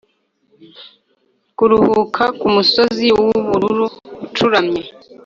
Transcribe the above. kuruhuka kumusozi wubururu ucuramye